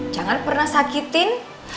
jangan pernah sakitin